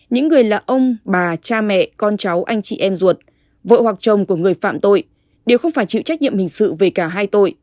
những người là ông bà cha mẹ con cháu anh chị em ruột vợ hoặc chồng của người phạm tội đều không phải chịu trách nhiệm hình sự về cả hai tội